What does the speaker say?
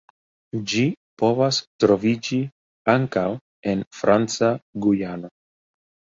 Ĝi povas troviĝi ankaŭ en Franca Gujano.